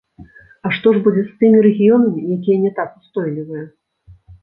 А што ж будзе з тымі рэгіёнамі, якія не так устойлівыя?